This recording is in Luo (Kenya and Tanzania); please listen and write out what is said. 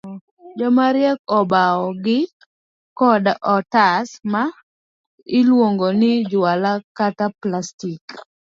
Jomariek obawo gi koda otas ma iluongo ni juala kata plastik.